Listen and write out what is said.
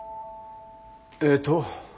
えっと。